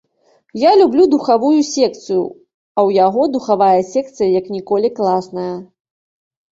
Я люблю духавую секцыю, а ў яго духавая секцыя як ніколі класная.